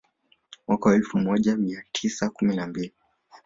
Mwaka wa elfu moja mia tisa kumi na mbili